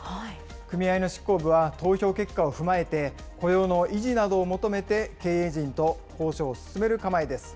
組合の執行部は投票結果を踏まえて、雇用の維持などを求めて、経営陣と交渉を進める構えです。